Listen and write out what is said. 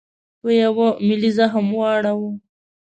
په یوه ملي زخم واړاوه.